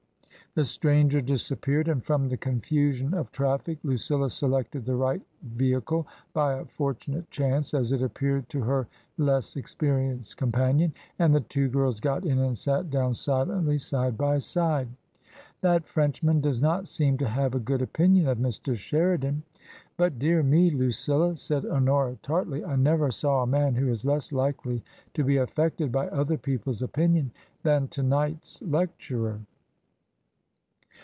The stranger disappeared, and from the confusion of traffic Lucilla selected the right vehicle — ^by a fortunate chance, as it appeared to her less experienced com panion — and the two girls got in and sat down silently side by side. "That Frenchman does not seem to have a good opinion of Mr. Sheridan. But, dear me, Lucilla !" said Honora, tartly, " I never saw a man who is less likely to be affected by other people's opinion than to night's lecturer."